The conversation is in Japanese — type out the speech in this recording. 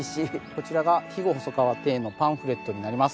こちらが肥後細川庭園のパンフレットになります。